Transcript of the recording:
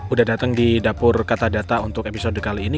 udah datang di dapur kata data untuk episode kali ini